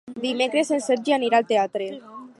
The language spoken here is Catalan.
Dimecres en Sergi anirà al teatre.